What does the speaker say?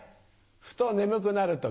ふと眠くなる時。